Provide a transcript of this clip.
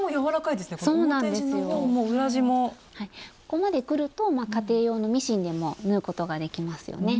ここまでくると家庭用のミシンでも縫うことができますよね。